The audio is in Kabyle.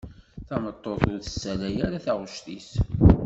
Tameṭṭut ur tessalay ara taɣect-is.